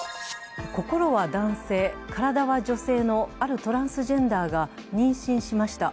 心は男性、体は女性のあるトランスジェンダーが妊娠しました。